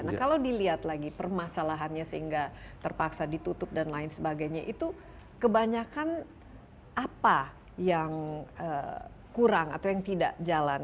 nah kalau dilihat lagi permasalahannya sehingga terpaksa ditutup dan lain sebagainya itu kebanyakan apa yang kurang atau yang tidak jalan